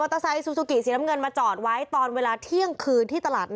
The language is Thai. อ่าทางเนียวกัยฮ